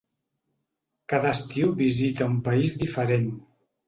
Cada estiu visita un país diferent.